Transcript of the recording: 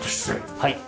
はい。